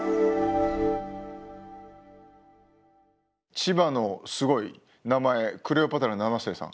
千葉のすごい名前クレオパトラ７世さん。